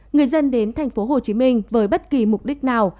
người dân đến thành phố hồ chí minh với bất kỳ mục đích nào